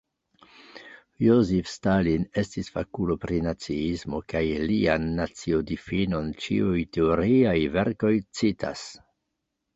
Josif Stalin estis fakulo pri naciismo kaj lian nacio-difinon ĉiuj teoriaj verkoj citas.